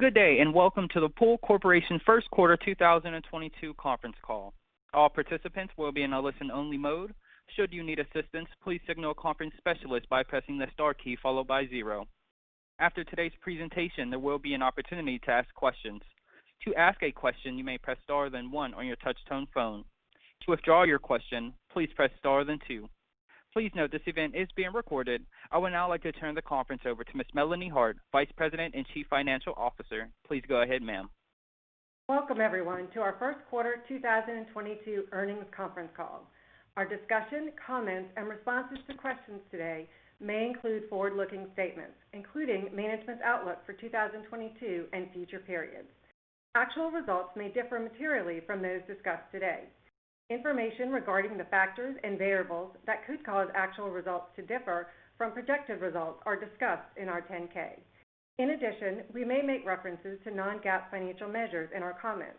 Good day, and welcome to the Pool Corporation First Quarter 2022 Conference Call. All participants will be in a listen-only mode. Should you need assistance, please signal a conference specialist by pressing the star key followed by zero. After today's presentation, there will be an opportunity to ask questions. To ask a question, you may press star then one on your touch-tone phone. To withdraw your question, please press star then two. Please note this event is being recorded. I would now like to turn the conference over to Ms. Melanie Hart, Vice President and Chief Financial Officer. Please go ahead, ma'am. Welcome, everyone, to our First Quarter 2022 Earnings Conference Call. Our discussion, comments and responses to questions today may include forward-looking statements, including management's outlook for 2022 and future periods. Actual results may differ materially from those discussed today. Information regarding the factors and variables that could cause actual results to differ from projected results are discussed in our 10-K. In addition, we may make references to non-GAAP financial measures in our comments.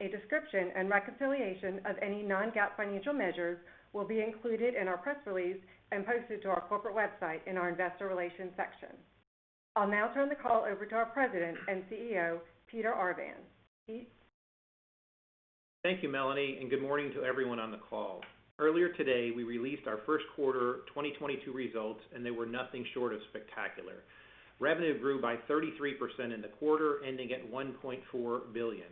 A description and reconciliation of any non-GAAP financial measures will be included in our press release and posted to our corporate website in our investor relations section. I'll now turn the call over to our President and CEO, Peter Arvan. Pete. Thank you, Melanie, and good morning to everyone on the call. Earlier today, we released our first quarter 2022 results, and they were nothing short of spectacular. Revenue grew by 33% in the quarter, ending at $1.4 billion.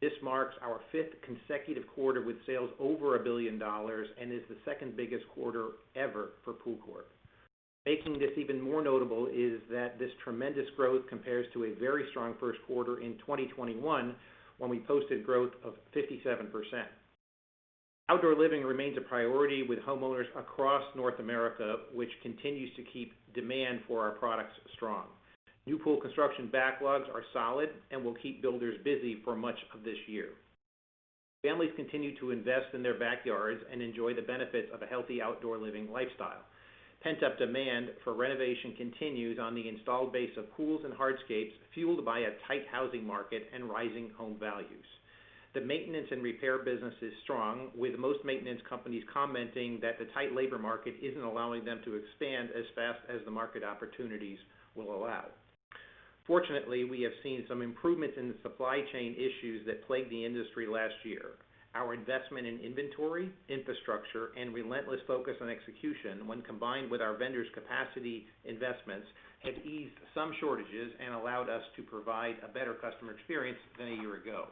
This marks our 5th consecutive quarter with sales over $1 billion and is the second biggest quarter ever for PoolCorp. Making this even more notable is that this tremendous growth compares to a very strong first quarter in 2021, when we posted growth of 57%. Outdoor living remains a priority with homeowners across North America, which continues to keep demand for our products strong. New pool construction backlogs are solid and will keep builders busy for much of this year. Families continue to invest in their backyards and enjoy the benefits of a healthy outdoor living lifestyle. Pent-up demand for renovation continues on the installed base of pools and hardscapes, fueled by a tight housing market and rising home values. The maintenance and repair business is strong, with most maintenance companies commenting that the tight labor market isn't allowing them to expand as fast as the market opportunities will allow. Fortunately, we have seen some improvement in the supply chain issues that plagued the industry last year. Our investment in inventory, infrastructure and relentless focus on execution, when combined with our vendors' capacity investments, have eased some shortages and allowed us to provide a better customer experience than a year ago.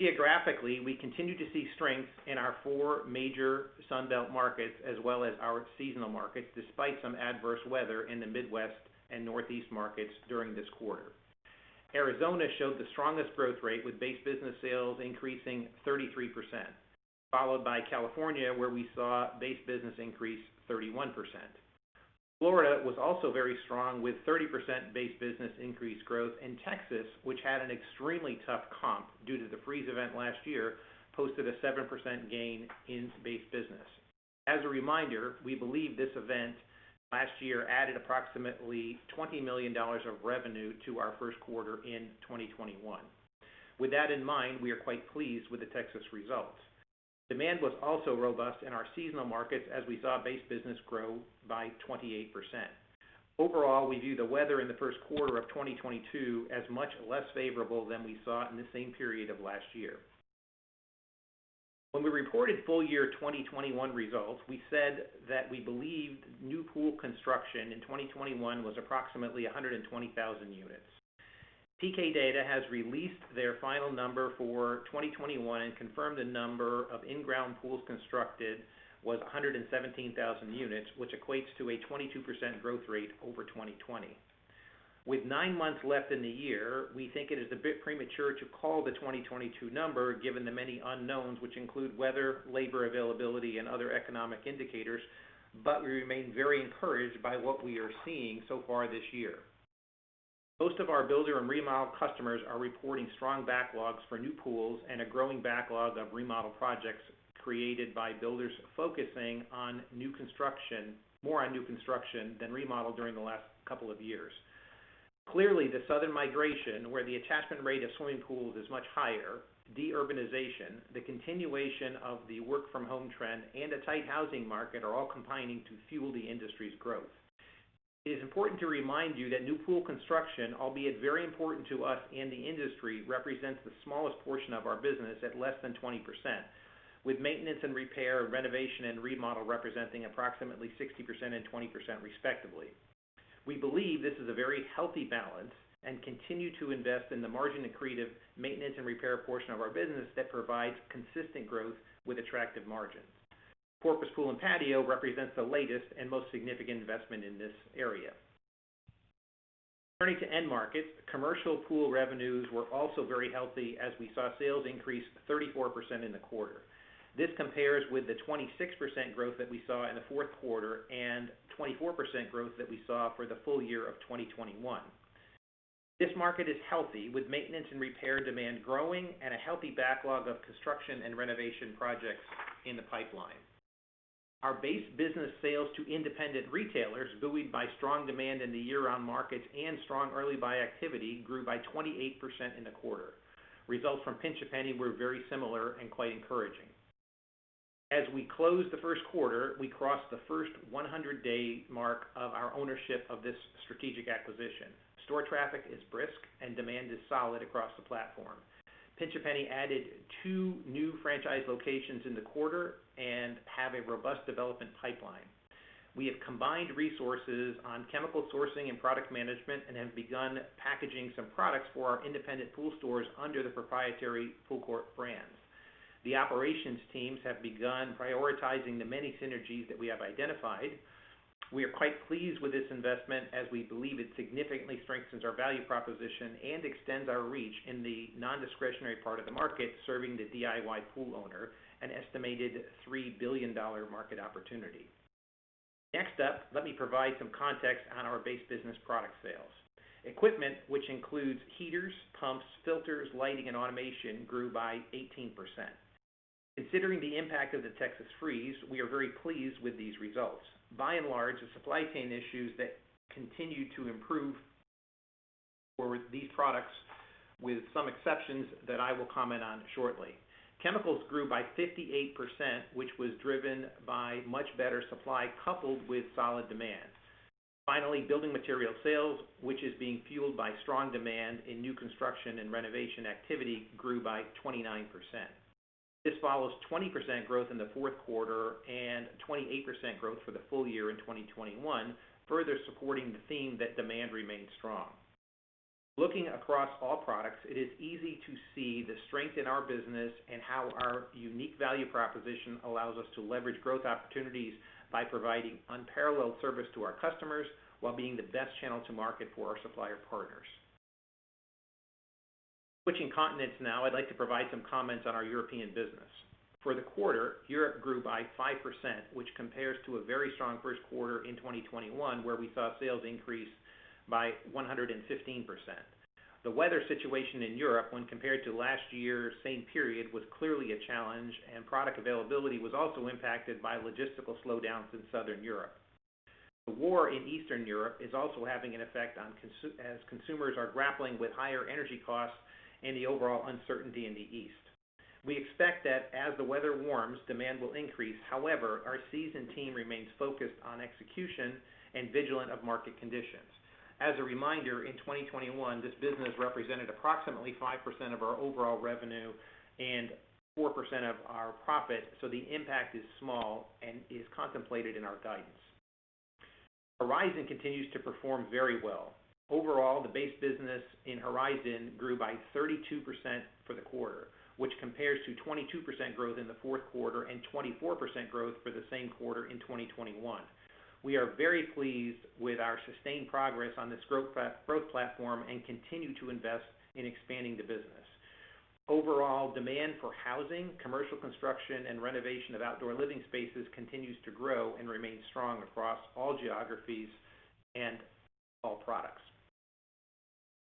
Geographically, we continue to see strength in our four major Sun Belt markets as well as our seasonal markets, despite some adverse weather in the Midwest and Northeast markets during this quarter. Arizona showed the strongest growth rate, with base business sales increasing 33%, followed by California, where we saw base business increase 31%. Florida was also very strong, with 30% base business increase growth. Texas, which had an extremely tough comp due to the freeze event last year, posted a 7% gain in base business. As a reminder, we believe this event last year added approximately $20 million of revenue to our first quarter in 2021. With that in mind, we are quite pleased with the Texas results. Demand was also robust in our seasonal markets as we saw base business grow by 28%. Overall, we view the weather in the first quarter of 2022 as much less favorable than we saw in the same period of last year. When we reported full year 2021 results, we said that we believed new pool construction in 2021 was approximately 120,000 units. P.K. Data has released their final number for 2021 and confirmed the number of in-ground pools constructed was 117,000 units, which equates to a 22% growth rate over 2020. With nine months left in the year, we think it is a bit premature to call the 2022 number, given the many unknowns which include weather, labor availability, and other economic indicators, but we remain very encouraged by what we are seeing so far this year. Most of our builder and remodel customers are reporting strong backlogs for new pools and a growing backlog of remodel projects created by builders focusing on new construction, more on new construction than remodel during the last couple of years. Clearly, the southern migration, where the attachment rate of swimming pools is much higher, de-urbanization, the continuation of the work from home trend, and a tight housing market are all combining to fuel the industry's growth. It is important to remind you that new pool construction, albeit very important to us and the industry, represents the smallest portion of our business at less than 20%, with maintenance and repair, renovation and remodel representing approximately 60% and 20% respectively. We believe this is a very healthy balance and continue to invest in the margin accretive maintenance and repair portion of our business that provides consistent growth with attractive margins. Porpoise Pool & Patio represents the latest and most significant investment in this area. Turning to end markets, commercial pool revenues were also very healthy as we saw sales increase 34% in the quarter. This compares with the 26% growth that we saw in the fourth quarter and 24% growth that we saw for the full year of 2021. This market is healthy, with maintenance and repair demand growing and a healthy backlog of construction and renovation projects in the pipeline. Our base business sales to independent retailers, buoyed by strong demand in the year-end markets and strong early buy activity, grew by 28% in the quarter. Results from Pinch A Penny were very similar and quite encouraging. As we close the first quarter, we crossed the first 100-day mark of our ownership of this strategic acquisition. Store traffic is brisk and demand is solid across the platform. Pinch A Penny added two new franchise locations in the quarter and have a robust development pipeline. We have combined resources on chemical sourcing and product management and have begun packaging some products for our independent pool stores under the proprietary POOLCORP brands. The operations teams have begun prioritizing the many synergies that we have identified. We are quite pleased with this investment as we believe it significantly strengthens our value proposition and extends our reach in the non-discretionary part of the market, serving the DIY pool owner, an estimated $3 billion market opportunity. Next up, let me provide some context on our base business product sales. Equipment, which includes heaters, pumps, filters, lighting, and automation, grew by 18%. Considering the impact of the Texas freeze, we are very pleased with these results. By and large, the supply chain issues that continue to improve for these products, with some exceptions that I will comment on shortly. Chemicals grew by 58%, which was driven by much better supply coupled with solid demand. Finally, building material sales, which is being fueled by strong demand in new construction and renovation activity, grew by 29%. This follows 20% growth in the fourth quarter and 28% growth for the full year in 2021, further supporting the theme that demand remains strong. Looking across all products, it is easy to see the strength in our business and how our unique value proposition allows us to leverage growth opportunities by providing unparalleled service to our customers while being the best channel to market for our supplier partners. Switching continents now, I'd like to provide some comments on our European business. For the quarter, Europe grew by 5%, which compares to a very strong first quarter in 2021, where we saw sales increase by 115%. The weather situation in Europe when compared to last year's same period, was clearly a challenge, and product availability was also impacted by logistical slowdowns in Southern Europe. The war in Eastern Europe is also having an effect as consumers are grappling with higher energy costs and the overall uncertainty in the east. We expect that as the weather warms, demand will increase. However, our seasoned team remains focused on execution and vigilant of market conditions. As a reminder, in 2021, this business represented approximately 5% of our overall revenue and 4% of our profit, so the impact is small and is contemplated in our guidance. Horizon continues to perform very well. Overall, the base business in Horizon grew by 32% for the quarter, which compares to 22% growth in the fourth quarter and 24% growth for the same quarter in 2021. We are very pleased with our sustained progress on this growth platform and continue to invest in expanding the business. Overall, demand for housing, commercial construction, and renovation of outdoor living spaces continues to grow and remain strong across all geographies and all products.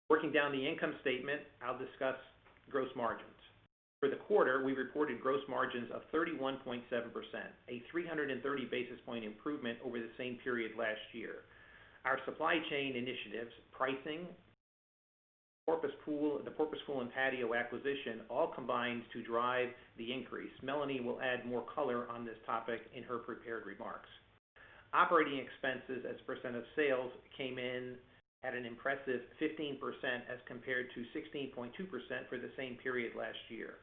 Working down the income statement, I'll discuss gross margins. For the quarter, we reported gross margins of 31.7%, a 330 basis point improvement over the same period last year. Our supply chain initiatives, pricing, the Porpoise Pool & Patio acquisition, all combined to drive the increase. Melanie will add more color on this topic in her prepared remarks. Operating expenses as a percent of sales came in at an impressive 15% as compared to 16.2% for the same period last year.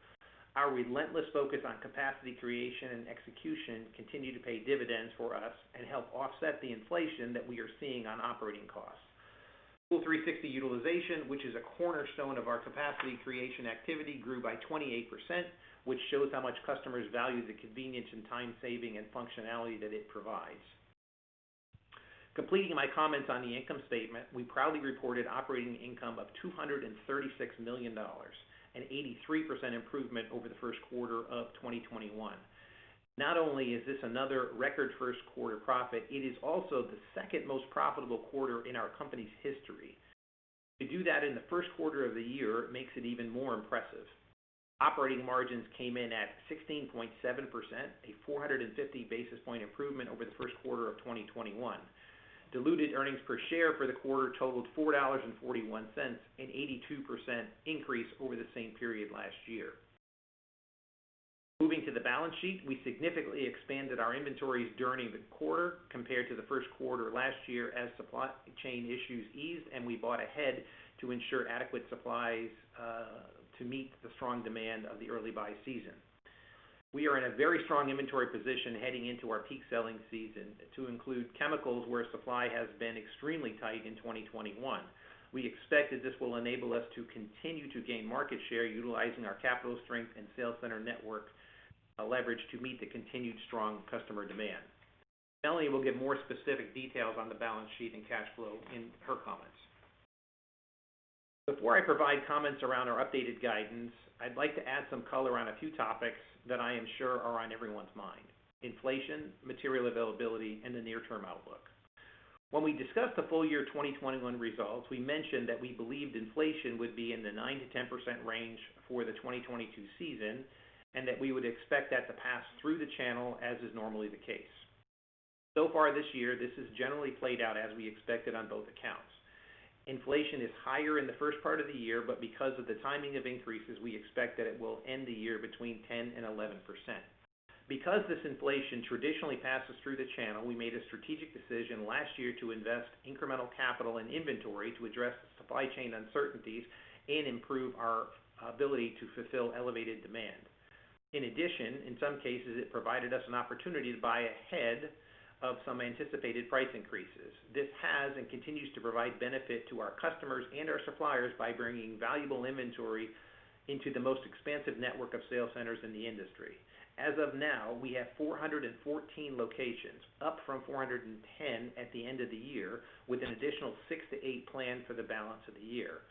Our relentless focus on capacity creation and execution continue to pay dividends for us and help offset the inflation that we are seeing on operating costs. POOL360 utilization, which is a cornerstone of our capacity creation activity, grew by 28%, which shows how much customers value the convenience and time saving and functionality that it provides. Completing my comments on the income statement, we proudly reported operating income of $236 million, an 83% improvement over the first quarter of 2021. Not only is this another record first quarter profit, it is also the second most profitable quarter in our company's history. To do that in the first quarter of the year makes it even more impressive. Operating margins came in at 16.7%, a 450 basis point improvement over the first quarter of 2021. Diluted earnings per share for the quarter totaled $4.41, an 82% increase over the same period last year. Moving to the balance sheet, we significantly expanded our inventories during the quarter compared to the first quarter last year as supply chain issues eased and we bought ahead to ensure adequate supplies to meet the strong demand of the early buy season. We are in a very strong inventory position heading into our peak selling season to include chemicals where supply has been extremely tight in 2021. We expect that this will enable us to continue to gain market share utilizing our capital strength and sales center network leverage to meet the continued strong customer demand. Melanie will give more specific details on the balance sheet and cash flow in her comments. Before I provide comments around our updated guidance, I'd like to add some color on a few topics that I am sure are on everyone's mind: inflation, material availability, and the near-term outlook. When we discussed the full year 2021 results, we mentioned that we believed inflation would be in the 9%-10% range for the 2022 season, and that we would expect that to pass through the channel as is normally the case. So far this year, this has generally played out as we expected on both accounts. Inflation is higher in the first part of the year, but because of the timing of increases, we expect that it will end the year between 10%-11%. Because this inflation traditionally passes through the channel, we made a strategic decision last year to invest incremental capital and inventory to address supply chain uncertainties and improve our ability to fulfill elevated demand. In addition, in some cases, it provided us an opportunity to buy ahead of some anticipated price increases. This has and continues to provide benefit to our customers and our suppliers by bringing valuable inventory into the most expansive network of sales centers in the industry. As of now, we have 414 locations, up from 410 at the end of the year, with an additional 6-8 planned for the balance of the year.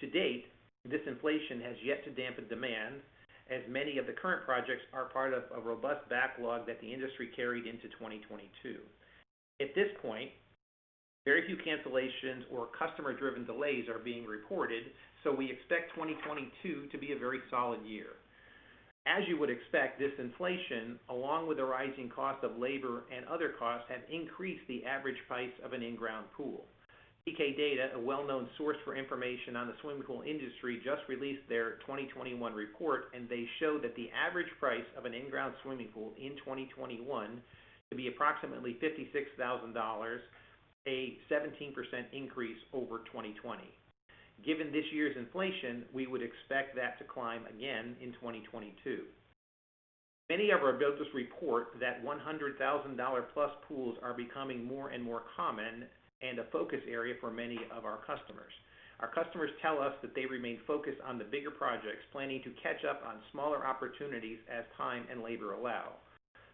To date, this inflation has yet to dampen demand, as many of the current projects are part of a robust backlog that the industry carried into 2022. At this point, very few cancellations or customer-driven delays are being reported, so we expect 2022 to be a very solid year. As you would expect, this inflation, along with the rising cost of labor and other costs, have increased the average price of an in-ground pool. P.K. Data, a well-known source for information on the swimming pool industry, just released their 2021 report, and they show that the average price of an in-ground swimming pool in 2021 to be approximately $56,000, a 17% increase over 2020. Given this year's inflation, we would expect that to climb again in 2022. Many of our builders report that $100,000-plus pools are becoming more and more common and a focus area for many of our customers. Our customers tell us that they remain focused on the bigger projects, planning to catch up on smaller opportunities as time and labor allow.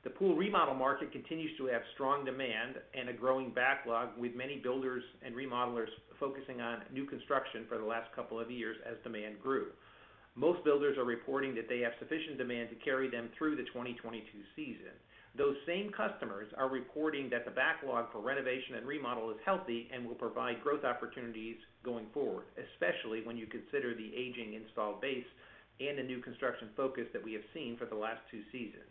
The pool remodel market continues to have strong demand and a growing backlog, with many builders and remodelers focusing on new construction for the last couple of years as demand grew. Most builders are reporting that they have sufficient demand to carry them through the 2022 season. Those same customers are reporting that the backlog for renovation and remodel is healthy and will provide growth opportunities going forward, especially when you consider the aging installed base and the new construction focus that we have seen for the last two seasons.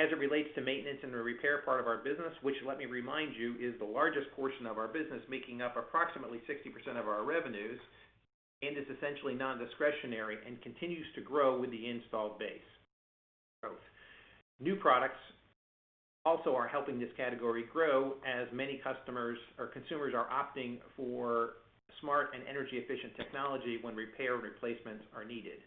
As it relates to maintenance and the repair part of our business, which let me remind you, is the largest portion of our business, making up approximately 60% of our revenues and is essentially nondiscretionary and continues to grow with the installed base growth. New products also are helping this category grow as many customers or consumers are opting for smart and energy-efficient technology when repair or replacements are needed.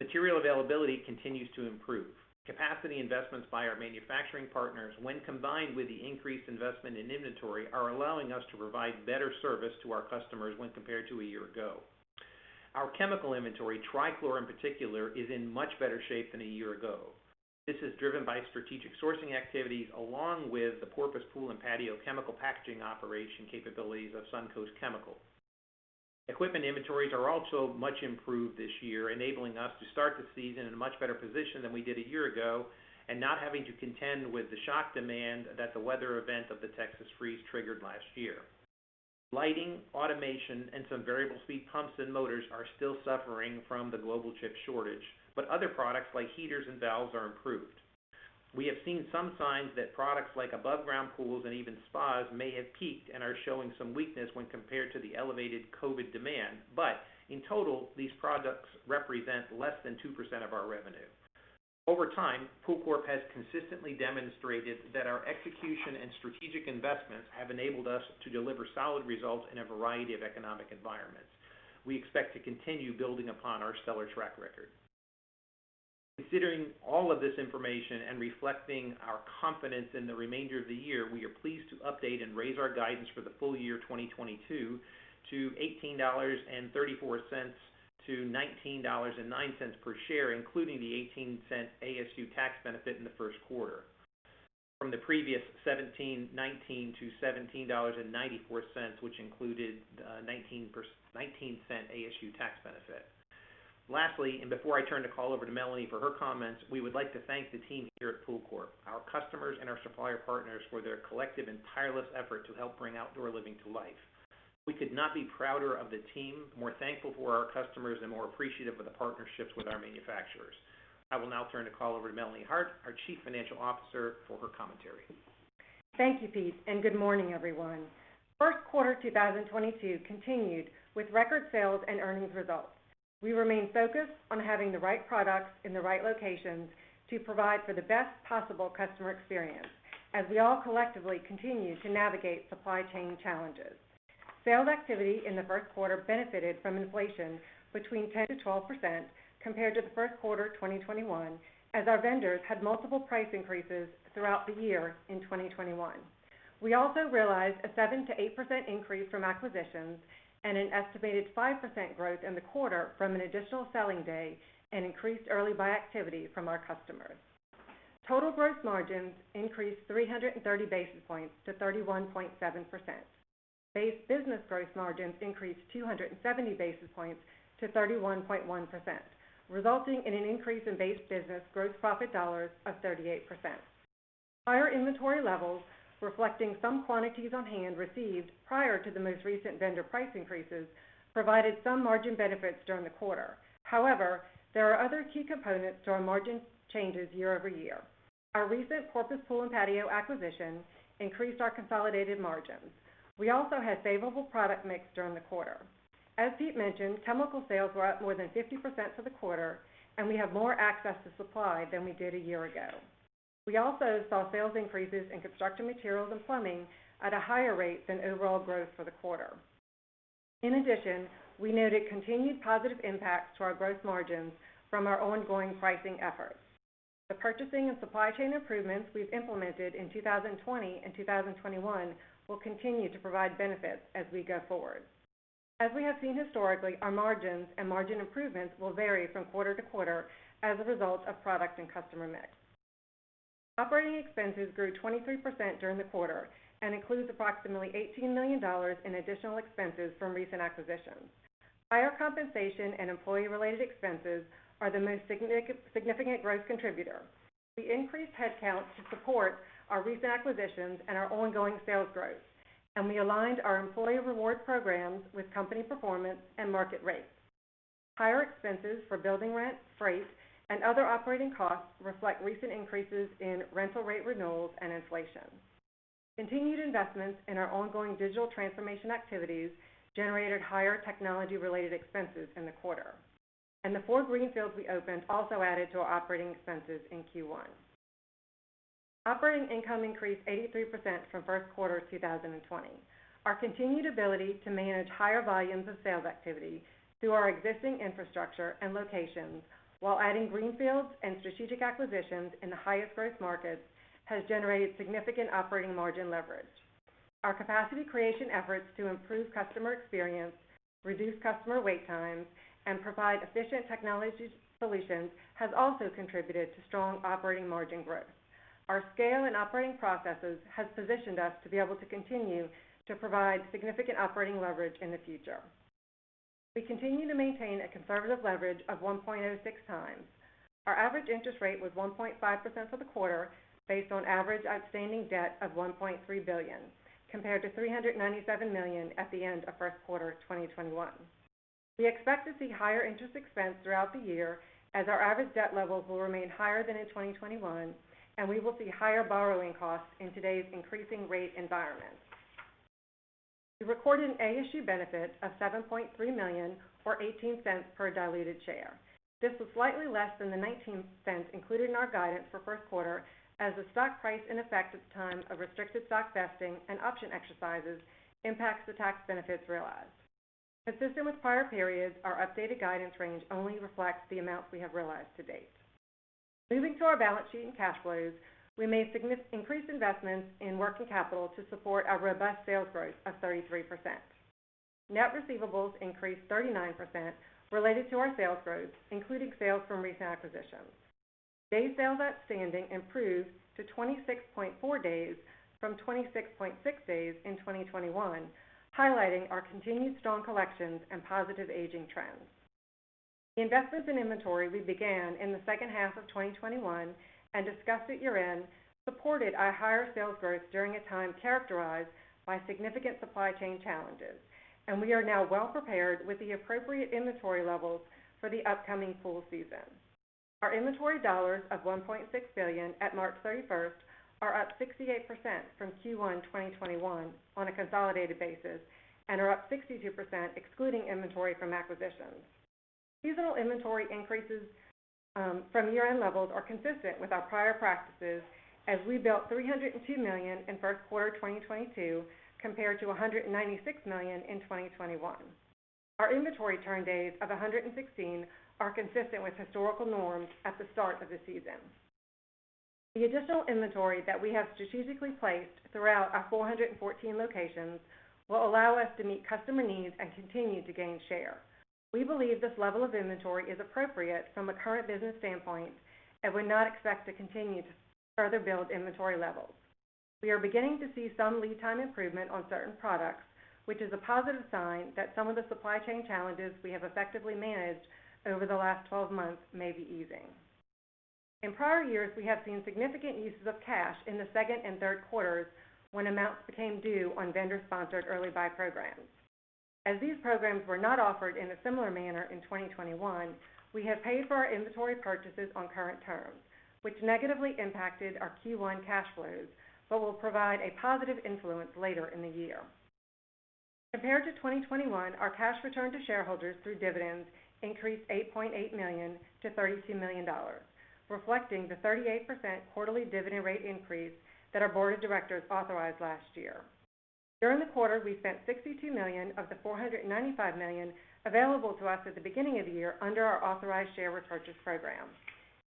Material availability continues to improve. Capacity investments by our manufacturing partners, when combined with the increased investment in inventory, are allowing us to provide better service to our customers when compared to a year ago. Our chemical inventory, trichlor in particular, is in much better shape than a year ago. This is driven by strategic sourcing activities along with the Porpoise Pool & Patio chemical packaging operation capabilities of Suncoast Chemicals. Equipment inventories are also much improved this year, enabling us to start the season in a much better position than we did a year ago and not having to contend with the shock demand that the weather event of the Texas freeze triggered last year. Lighting, automation, and some variable speed pumps and motors are still suffering from the global chip shortage, but other products like heaters and valves are improved. We have seen some signs that products like above ground pools and even spas may have peaked and are showing some weakness when compared to the elevated COVID demand. In total, these products represent less than 2% of our revenue. Over time, POOLCORP has consistently demonstrated that our execution and strategic investments have enabled us to deliver solid results in a variety of economic environments. We expect to continue building upon our stellar track record. Considering all of this information and reflecting our confidence in the remainder of the year, we are pleased to update and raise our guidance for the full year 2022 to $18.34-$19.09 per share, including the 18-cent ASU tax benefit in the first quarter. From the previous $17.19-$17.94, which included $0.19 ASU tax benefit. Before I turn the call over to Melanie for her comments, we would like to thank the team here at POOLCORP, our customers and our supplier partners for their collective and tireless effort to help bring outdoor living to life. We could not be prouder of the team, more thankful for our customers, and more appreciative of the partnerships with our manufacturers. I will now turn the call over to Melanie Hart, our Chief Financial Officer, for her commentary. Thank you, Pete, and good morning, everyone. First quarter of 2022 continued with record sales and earnings results. We remain focused on having the right products in the right locations to provide for the best possible customer experience as we all collectively continue to navigate supply chain challenges. Sales activity in the first quarter benefited from inflation between 10%-12% compared to the first quarter of 2021, as our vendors had multiple price increases throughout the year in 2021. We also realized a 7%-8% increase from acquisitions and an estimated 5% growth in the quarter from an additional selling day and increased early buy activity from our customers. Total gross margins increased 330 basis points to 31.7%. Base business gross margins increased 270 basis points to 31.1%, resulting in an increase in base business gross profit dollars of 38%. Higher inventory levels reflecting some quantities on hand received prior to the most recent vendor price increases provided some margin benefits during the quarter. However, there are other key components to our margin changes year-over-year. Our recent Porpoise Pool & Patio acquisition increased our consolidated margins. We also had favorable product mix during the quarter. As Pete mentioned, chemical sales were up more than 50% for the quarter, and we have more access to supply than we did a year ago. We also saw sales increases in construction materials and plumbing at a higher rate than overall growth for the quarter. In addition, we noted continued positive impacts to our gross margins from our ongoing pricing efforts. The purchasing and supply chain improvements we've implemented in 2020 and 2021 will continue to provide benefits as we go forward. As we have seen historically, our margins and margin improvements will vary from quarter to quarter as a result of product and customer mix. Operating expenses grew 23% during the quarter and includes approximately $18 million in additional expenses from recent acquisitions. Higher compensation and employee-related expenses are the most significant growth contributor. We increased headcount to support our recent acquisitions and our ongoing sales growth, and we aligned our employee reward programs with company performance and market rates. Higher expenses for building rent, freight, and other operating costs reflect recent increases in rental rate renewals and inflation. Continued investments in our ongoing digital transformation activities generated higher technology-related expenses in the quarter, and the 4 greenfields we opened also added to our operating expenses in Q1. Operating income increased 83% from first quarter 2020. Our continued ability to manage higher volumes of sales activity through our existing infrastructure and locations while adding greenfields and strategic acquisitions in the highest growth markets has generated significant operating margin leverage. Our capacity creation efforts to improve customer experience, reduce customer wait times, and provide efficient technology solutions has also contributed to strong operating margin growth. Our scale and operating processes has positioned us to be able to continue to provide significant operating leverage in the future. We continue to maintain a conservative leverage of 1.06 times. Our average interest rate was 1.5% for the quarter, based on average outstanding debt of $1.3 billion, compared to $397 million at the end of first quarter 2021. We expect to see higher interest expense throughout the year as our average debt levels will remain higher than in 2021, and we will see higher borrowing costs in today's increasing rate environment. We recorded an ASU benefit of $7.3 million or $0.18 per diluted share. This was slightly less than the $0.19 included in our guidance for first quarter as the stock price in effect at the time of restricted stock vesting and option exercises impacts the tax benefits realized. Consistent with prior periods, our updated guidance range only reflects the amounts we have realized to date. Moving to our balance sheet and cash flows, we made increased investments in working capital to support our robust sales growth of 33%. Net receivables increased 39% related to our sales growth, including sales from recent acquisitions. Day sales outstanding improved to 26.4 days from 26.6 days in 2021, highlighting our continued strong collections and positive aging trends. The investments in inventory we began in the second half of 2021 and discussed at year-end supported our higher sales growth during a time characterized by significant supply chain challenges, and we are now well prepared with the appropriate inventory levels for the upcoming pool season. Our inventory dollars of $1.6 billion at March 31 are up 68% from Q1 2021 on a consolidated basis and are up 62% excluding inventory from acquisitions. Seasonal inventory increases from year-end levels are consistent with our prior practices as we built $302 million in first quarter 2022 compared to $196 million in 2021. Our inventory turn days of 116 are consistent with historical norms at the start of the season. The additional inventory that we have strategically placed throughout our 414 locations will allow us to meet customer needs and continue to gain share. We believe this level of inventory is appropriate from a current business standpoint and would not expect to continue to further build inventory levels. We are beginning to see some lead time improvement on certain products, which is a positive sign that some of the supply chain challenges we have effectively managed over the last 12 months may be easing. In prior years, we have seen significant uses of cash in the second and third quarters when amounts became due on vendor-sponsored early buy programs. As these programs were not offered in a similar manner in 2021, we have paid for our inventory purchases on current terms, which negatively impacted our Q1 cash flows but will provide a positive influence later in the year. Compared to 2021, our cash return to shareholders through dividends increased $8.8 million to $32 million, reflecting the 38% quarterly dividend rate increase that our board of directors authorized last year. During the quarter, we spent $62 million of the $495 million available to us at the beginning of the year under our authorized share repurchase program,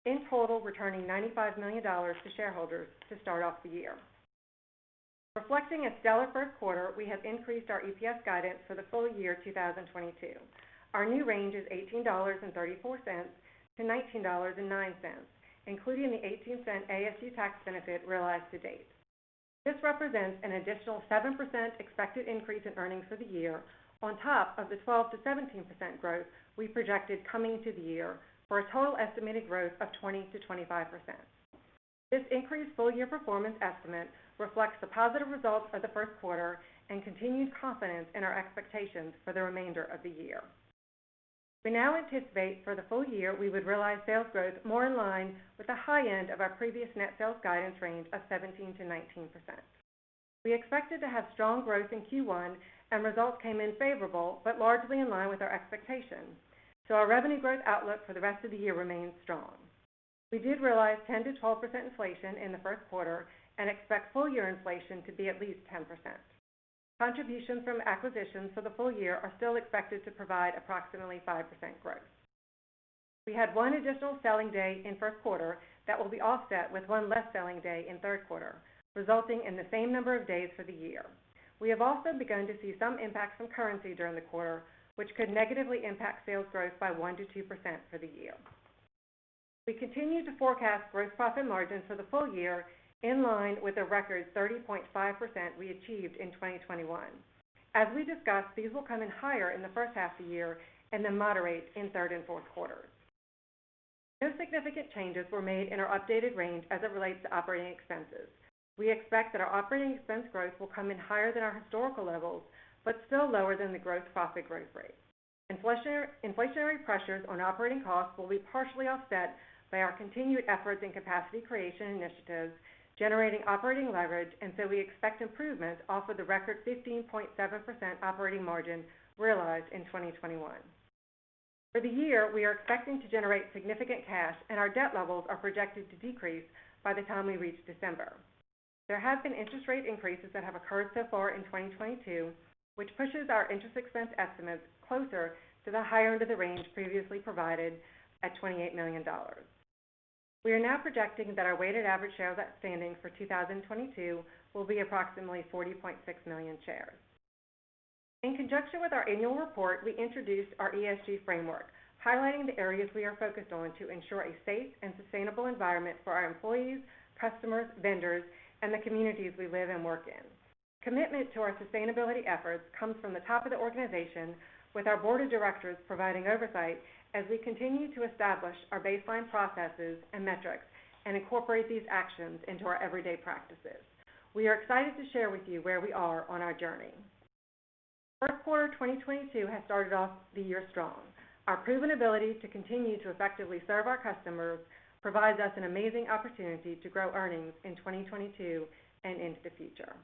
in total, returning $95 million to shareholders to start off the year. Reflecting a stellar first quarter, we have increased our EPS guidance for the full year 2022. Our new range is $18.34-$19.09, including the $0.18 ASU tax benefit realized to date. This represents an additional 7% expected increase in earnings for the year on top of the 12%-17% growth we projected coming to the year, for a total estimated growth of 20%-25%. This increased full year performance estimate reflects the positive results of the first quarter and continued confidence in our expectations for the remainder of the year. We now anticipate for the full year, we would realize sales growth more in line with the high end of our previous net sales guidance range of 17%-19%. We expected to have strong growth in Q1, and results came in favorable but largely in line with our expectations. Our revenue growth outlook for the rest of the year remains strong. We did realize 10%-12% inflation in the first quarter and expect full year inflation to be at least 10%. Contributions from acquisitions for the full year are still expected to provide approximately 5% growth. We had 1 additional selling day in first quarter that will be offset with 1 less selling day in third quarter, resulting in the same number of days for the year. We have also begun to see some impacts from currency during the quarter, which could negatively impact sales growth by 1%-2% for the year. We continue to forecast gross profit margins for the full year in line with a record 30.5% we achieved in 2021. As we discussed, these will come in higher in the first half of the year and then moderate in third and fourth quarters. No significant changes were made in our updated range as it relates to operating expenses. We expect that our operating expense growth will come in higher than our historical levels, but still lower than the gross profit growth rate. Inflationary pressures on operating costs will be partially offset by our continued efforts in capacity creation initiatives generating operating leverage, and so we expect improvements off of the record 15.7% operating margin realized in 2021. For the year, we are expecting to generate significant cash and our debt levels are projected to decrease by the time we reach December. There have been interest rate increases that have occurred so far in 2022, which pushes our interest expense estimates closer to the higher end of the range previously provided at $28 million. We are now projecting that our weighted average shares outstanding for 2022 will be approximately 40.6 million shares. In conjunction with our annual report, we introduced our ESG framework, highlighting the areas we are focused on to ensure a safe and sustainable environment for our employees, customers, vendors, and the communities we live and work in. Commitment to our sustainability efforts comes from the top of the organization with our board of directors providing oversight as we continue to establish our baseline processes and metrics and incorporate these actions into our everyday practices. We are excited to share with you where we are on our journey. First quarter 2022 has started off the year strong. Our proven ability to continue to effectively serve our customers provides us an amazing opportunity to grow earnings in 2022 and into the future.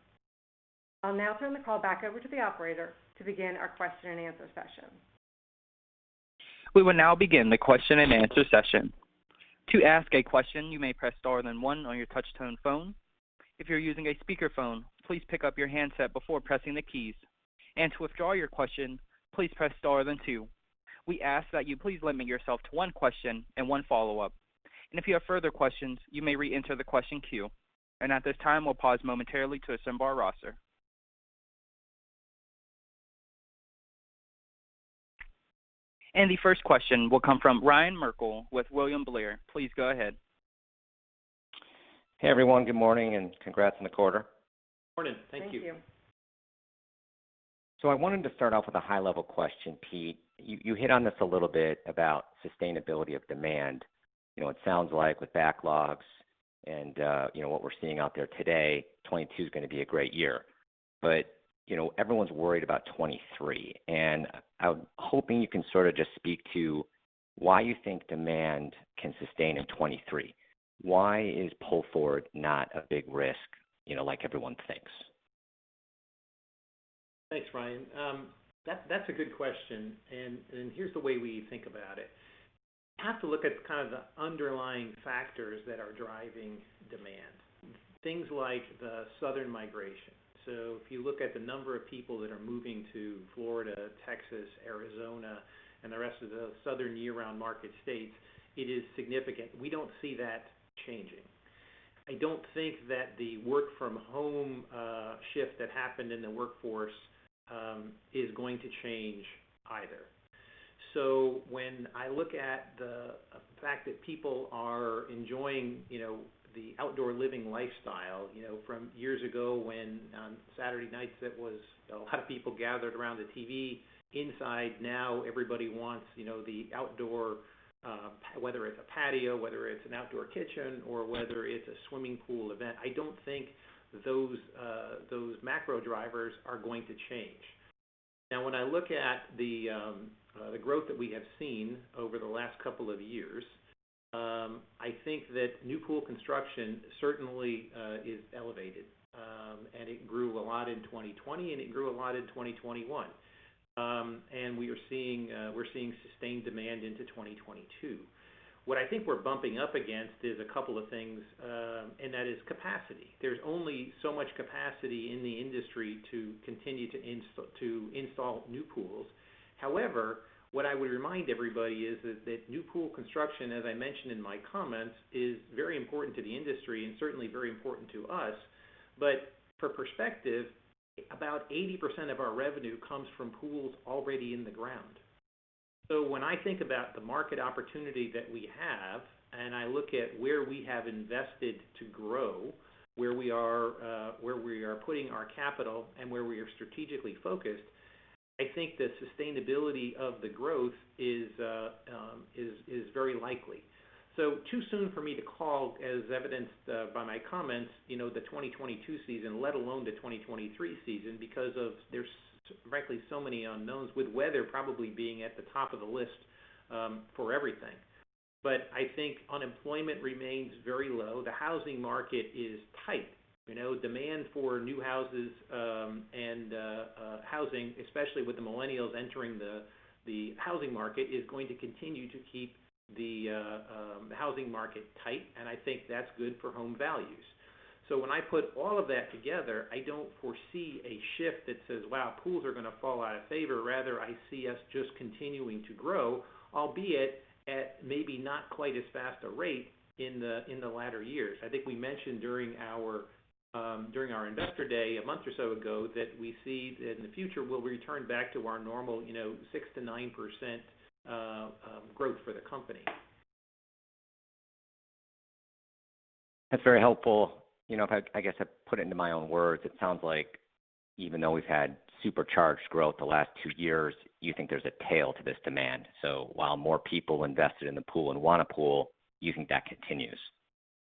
I'll now turn the call back over to the operator to begin our question and answer session. We will now begin the question and answer session. To ask a question, you may press star then one on your touch-tone phone. If you're using a speakerphone, please pick up your handset before pressing the keys. To withdraw your question, please press star then two. We ask that you please limit yourself to one question and one follow-up. If you have further questions, you may reenter the question queue. At this time, we'll pause momentarily to assemble our roster. The first question will come from Ryan Merkel with William Blair. Please go ahead. Hey, everyone. Good morning and congrats on the quarter. Good morning. Thank you. Thank you. I wanted to start off with a high-level question, Pete. You hit on this a little bit about sustainability of demand. You know, it sounds like with backlogs and, you know, what we're seeing out there today, 2022 is gonna be a great year. You know, everyone's worried about 2023, and I'm hoping you can sort of just speak to why you think demand can sustain in 2023. Why is pull-forward not a big risk, you know, like everyone thinks? Thanks, Ryan. That's a good question, and here's the way we think about it. You have to look at kind of the underlying factors that are driving demand. Things like the Southern migration. If you look at the number of people that are moving to Florida, Texas, Arizona, and the rest of the Southern year-round market states, it is significant. We don't see that changing. I don't think that the work from home shift that happened in the workforce is going to change either. When I look at the fact that people are enjoying, you know, the outdoor living lifestyle, you know, from years ago when on Saturday nights it was a lot of people gathered around the TV inside, now everybody wants, you know, the outdoor, whether it's a patio, whether it's an outdoor kitchen, or whether it's a swimming pool event. I don't think those macro drivers are going to change. Now when I look at the growth that we have seen over the last couple of years, I think that new pool construction certainly is elevated. It grew a lot in 2020, and it grew a lot in 2021. We're seeing sustained demand into 2022. What I think we're bumping up against is a couple of things, and that is capacity. There's only so much capacity in the industry to continue to install new pools. However, what I would remind everybody is that new pool construction, as I mentioned in my comments, is very important to the industry and certainly very important to us. For perspective, about 80% of our revenue comes from pools already in the ground. When I think about the market opportunity that we have and I look at where we have invested to grow, where we are, where we are putting our capital and where we are strategically focused, I think the sustainability of the growth is very likely. Too soon for me to call as evidenced by my comments, you know, the 2022 season, let alone the 2023 season because of there's frankly so many unknowns with weather probably being at the top of the list for everything. I think unemployment remains very low. The housing market is tight. You know, demand for new houses and housing, especially with the millennials entering the housing market, is going to continue to keep the housing market tight, and I think that's good for home values. When I put all of that together, I don't foresee a shift that says, "Wow, pools are gonna fall out of favor." Rather, I see us just continuing to grow, albeit at maybe not quite as fast a rate in the latter years. I think we mentioned during our investor day a month or so ago that we see that in the future, we'll return back to our normal, you know, 6%-9% growth for the company. That's very helpful. You know, if I guess I put it into my own words, it sounds like even though we've had supercharged growth the last two years, you think there's a tail to this demand. While more people invested in the pool and want a pool, you think that continues.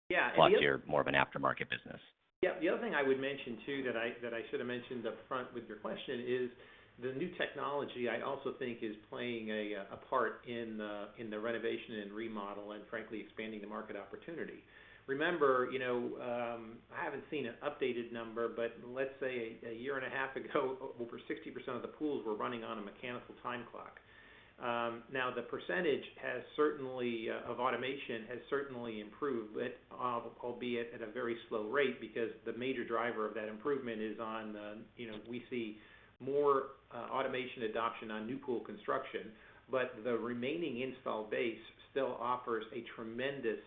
Yeah. You're more of an aftermarket business. Yeah. The other thing I would mention too that I should have mentioned upfront with your question is the new technology I also think is playing a part in the renovation and remodel and frankly expanding the market opportunity. Remember, you know, I haven't seen an updated number, but let's say a year and a half ago, over 60% of the pools were running on a mechanical time clock. Now the percentage of automation has certainly improved, but albeit at a very slow rate because the major driver of that improvement is on you know, we see more automation adoption on new pool construction. The remaining installed base still offers a tremendous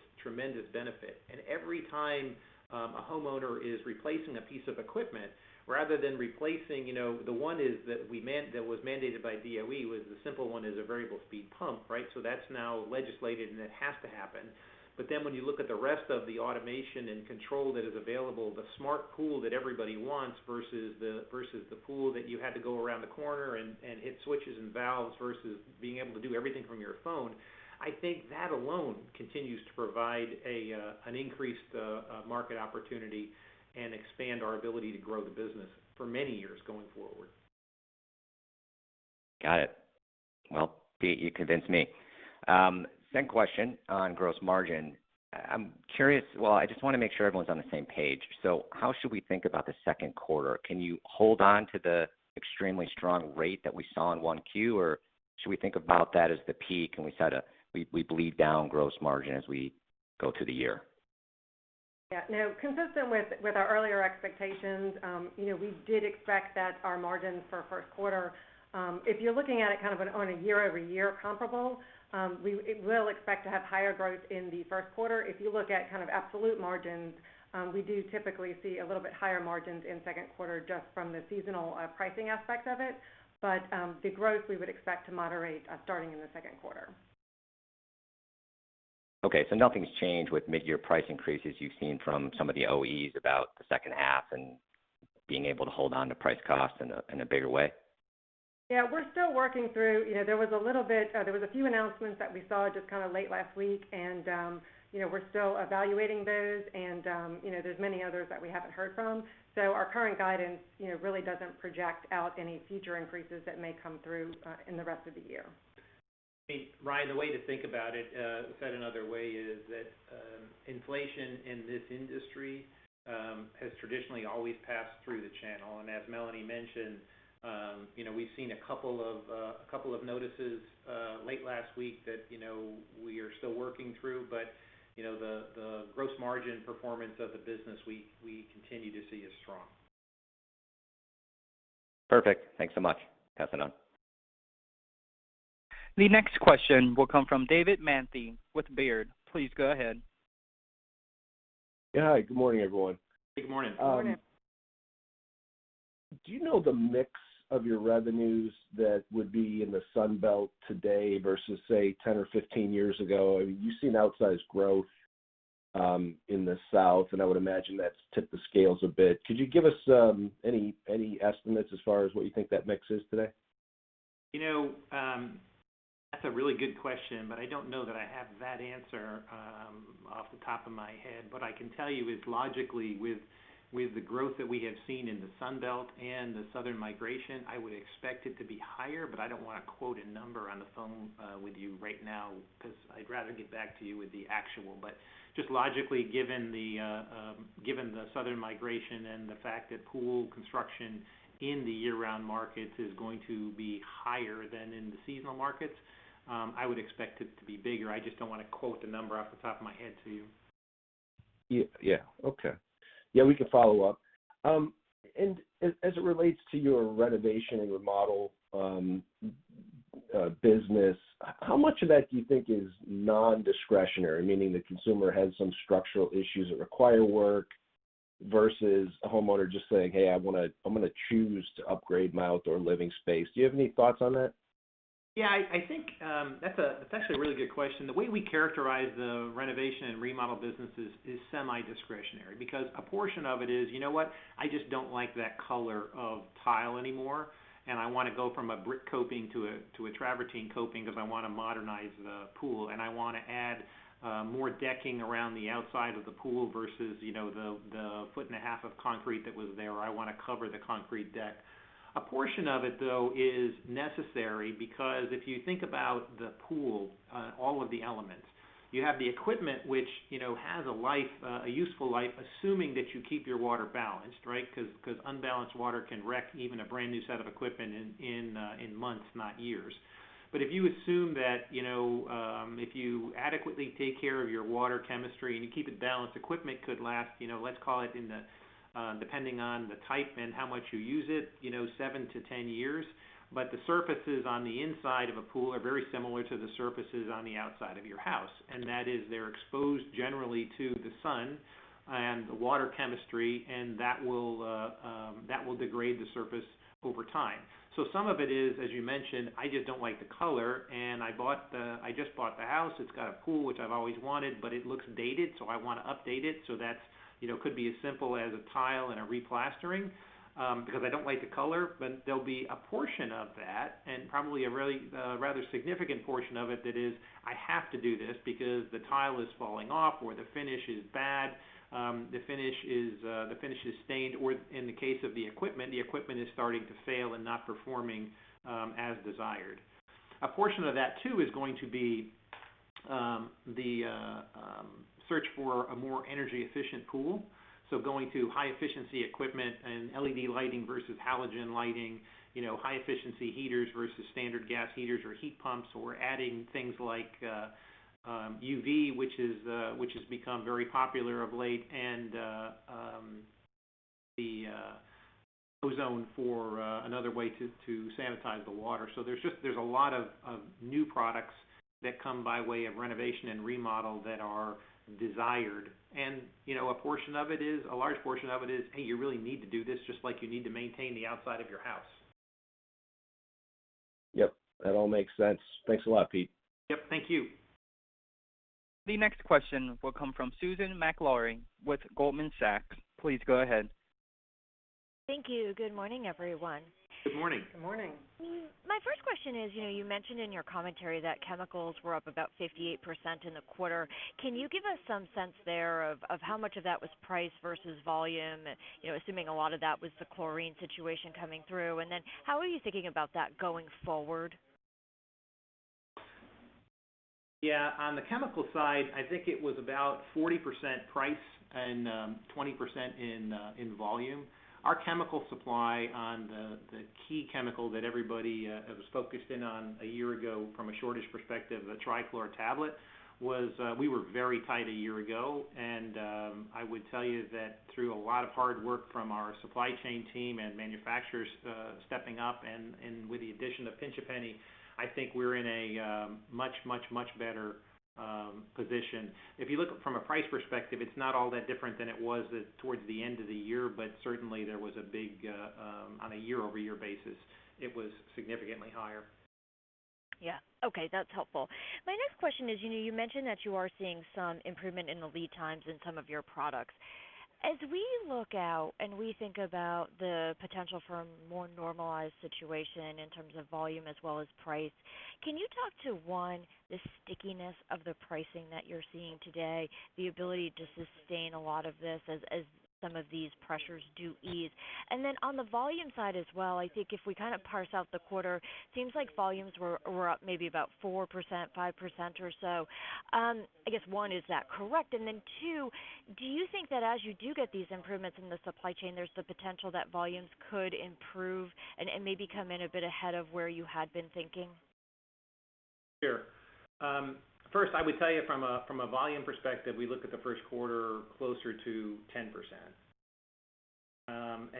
benefit. Every time a homeowner is replacing a piece of equipment rather than replacing. You know, the one is that that was mandated by DOE was the simple one is a variable speed pump, right? So that's now legislated, and it has to happen. But then when you look at the rest of the automation and control that is available, the smart pool that everybody wants versus the pool that you had to go around the corner and hit switches and valves versus being able to do everything from your phone, I think that alone continues to provide an increased market opportunity and expand our ability to grow the business for many years going forward. Got it. Well, Pete, you convinced me. Same question on gross margin. I'm curious. Well, I just wanna make sure everyone's on the same page. How should we think about the second quarter? Can you hold on to the extremely strong rate that we saw in 1Q, or should we think about that as the peak, and we bleed down gross margin as we go through the year? Yeah. No. Consistent with our earlier expectations, we did expect that our margin for first quarter, if you're looking at it kind of on a year-over-year comparable, we will expect to have higher growth in the first quarter. If you look at kind of absolute margins, we do typically see a little bit higher margins in second quarter just from the seasonal pricing aspect of it. The growth we would expect to moderate starting in the second quarter. Okay. Nothing's changed with midyear price increases you've seen from some of the OEMs about the second half and being able to hold on to price cost in a bigger way? Yeah, we're still working through. You know, there was a little bit. There was a few announcements that we saw just kinda late last week, and you know, we're still evaluating those and you know, there's many others that we haven't heard from. Our current guidance, you know, really doesn't project out any future increases that may come through in the rest of the year. I mean, Ryan, the way to think about it, said another way is that, inflation in this industry, has traditionally always passed through the channel. As Melanie mentioned, you know, we've seen a couple of notices, late last week that, you know, we are still working through. You know, the gross margin performance of the business, we continue to see is strong. Perfect. Thanks so much. Passing on. The next question will come from David Manthey with Baird. Please go ahead. Yeah. Good morning, everyone. Good morning. Good morning. Do you know the mix of your revenues that would be in the Sun Belt today versus, say, 10 or 15 years ago? You've seen outsized growth in the South, and I would imagine that's tipped the scales a bit. Could you give us any estimates as far as what you think that mix is today? You know, that's a really good question, but I don't know that I have that answer off the top of my head. What I can tell you is logically with the growth that we have seen in the Sun Belt and the southern migration, I would expect it to be higher, but I don't wanna quote a number on the phone with you right now 'cause I'd rather get back to you with the actual. Just logically, given the southern migration and the fact that pool construction in the year-round markets is going to be higher than in the seasonal markets, I would expect it to be bigger. I just don't wanna quote the number off the top of my head to you. Yeah. Yeah. Okay. Yeah, we can follow up. As it relates to your renovation and remodel business, how much of that do you think is nondiscretionary, meaning the consumer has some structural issues that require work versus a homeowner just saying, "Hey, I'm gonna choose to upgrade my outdoor living space." Do you have any thoughts on that? Yeah, I think that's actually a really good question. The way we characterize the renovation and remodel business is semi-discretionary because a portion of it is: You know what? I just don't like that color of tile anymore, and I wanna go from a brick coping to a travertine coping 'cause I wanna modernize the pool, and I wanna add more decking around the outside of the pool versus, you know, the foot and a half of concrete that was there, or I wanna cover the concrete deck. A portion of it, though, is necessary because if you think about the pool, all of the elements, you have the equipment which, you know, has a life, a useful life, assuming that you keep your water balanced, right? Because unbalanced water can wreck even a brand-new set of equipment in months, not years. If you assume that, you know, if you adequately take care of your water chemistry and you keep it balanced, equipment could last, you know, let's call it in the, depending on the type and how much you use it, you know, 7-10 years. The surfaces on the inside of a pool are very similar to the surfaces on the outside of your house. That is, they're exposed generally to the sun and the water chemistry, and that will degrade the surface over time. Some of it is, as you mentioned, I just don't like the color and I just bought the house. It's got a pool, which I've always wanted, but it looks dated, so I wanna update it. That's, you know, could be as simple as a tile and a replastering, because I don't like the color. There'll be a portion of that and probably a really, rather significant portion of it that is, I have to do this because the tile is falling off or the finish is bad, the finish is stained, or in the case of the equipment, the equipment is starting to fail and not performing, as desired. A portion of that too is going to be the search for a more energy efficient pool. Going to high efficiency equipment and LED lighting versus halogen lighting, you know, high efficiency heaters versus standard gas heaters or heat pumps or adding things like UV, which has become very popular of late and the ozone for another way to sanitize the water. There's just a lot of new products that come by way of renovation and remodel that are desired. You know, a portion of it is, a large portion of it is, hey, you really need to do this just like you need to maintain the outside of your house. Yep, that all makes sense. Thanks a lot, Pete. Yep, thank you. The next question will come from Susan Maklari with Goldman Sachs. Please go ahead. Thank you. Good morning, everyone. Good morning. Good morning. My first question is, you know, you mentioned in your commentary that chemicals were up about 58% in the quarter. Can you give us some sense there of how much of that was price versus volume? You know, assuming a lot of that was the chlorine situation coming through. Then how are you thinking about that going forward? Yeah, on the chemical side, I think it was about 40% price and 20% in volume. Our chemical supply on the key chemical that everybody was focused in on a year ago from a shortage perspective, the trichlor tablet, we were very tight a year ago. I would tell you that through a lot of hard work from our supply chain team and manufacturers stepping up and with the addition of Pinch A Penny, I think we're in a much better position. If you look from a price perspective, it's not all that different than it was towards the end of the year, but certainly there was a big on a year-over-year basis, it was significantly higher. Yeah. Okay, that's helpful. My next question is, you know, you mentioned that you are seeing some improvement in the lead times in some of your products. As we look out and we think about the potential for a more normalized situation in terms of volume as well as price, can you talk to, one, the stickiness of the pricing that you're seeing today, the ability to sustain a lot of this as some of these pressures do ease? And then on the volume side as well, I think if we kind of parse out the quarter, it seems like volumes were up maybe about 4%, 5% or so. I guess one, is that correct? Two, do you think that as you do get these improvements in the supply chain, there's the potential that volumes could improve and maybe come in a bit ahead of where you had been thinking? Sure. First, I would tell you from a volume perspective, we look at the first quarter closer to 10%.